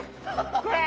これ！